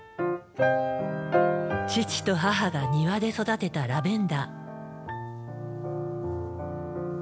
父と母が庭で育てたラベンダー。